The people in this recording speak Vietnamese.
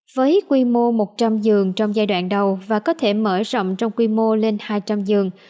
với quy mô một trăm linh giường trong giai đoạn đầu và có thể mở rộng trong quy mô lên hai trăm linh giường